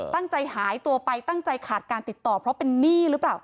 ตั้งใจหายตัวไปตั้งใจขาดการติดต่อเพราะเป็นหนี้หรือเปล่า